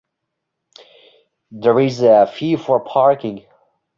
There is a fee for parking.